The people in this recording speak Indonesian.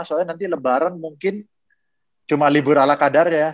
soalnya nanti lebaran mungkin cuma libur ala kadarnya ya